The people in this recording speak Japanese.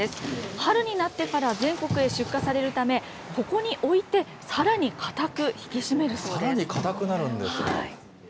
春になってから全国へ出荷されるため、ここに置いてさらに固く引き締めるそうです。